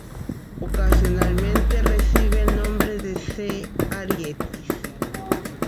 Ocasionalmente recibe el nombre de c Arietis.